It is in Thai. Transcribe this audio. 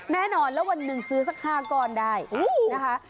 แน่นอนแล้ววันหนึ่งซื้อสัก๕ก้อนได้นะคะ